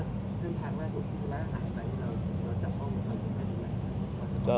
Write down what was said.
หมอบรรยาหมอบรรยา